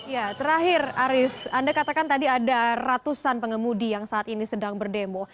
ya terakhir arief anda katakan tadi ada ratusan pengemudi yang saat ini sedang berdemo